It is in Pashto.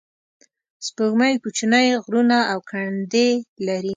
سپوږمۍ کوچنۍ غرونه او کندې لري